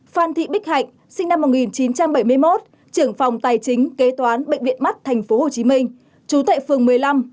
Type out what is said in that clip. hai phan thị bích hạnh sinh năm một nghìn chín trăm bảy mươi một trưởng phòng tài chính kế toán bệnh viện mắt tp hcm